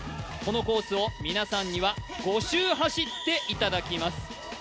このコースを皆さんには５周走っていただきます。